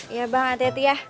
iya bang hati hati ya